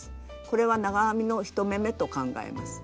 これは長編みの１目めと考えます。